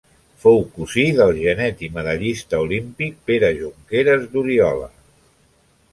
Fou cosí del genet i medallista olímpic Pere Jonqueres d'Oriola.